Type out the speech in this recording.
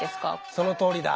そのとおりだ。